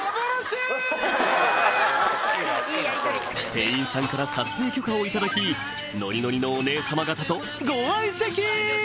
店員さんから撮影許可を頂きノリノリのお姉さま方とご相席！